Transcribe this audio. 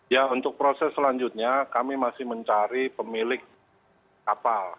ya untuk proses selanjutnya kami masih mencari pemilik kapal